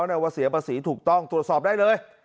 ไหนว่าเสียภาษีถูกต้องตรวจสอบได้เลย